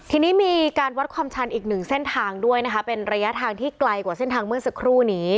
ทีนี้มีการวัดความชันอีกหนึ่งเส้นทางด้วยนะคะเป็นระยะทางที่ไกลกว่าเส้นทางเมื่อสักครู่นี้